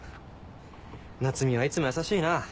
夏海はいつも優しいな。